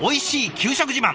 給食自慢。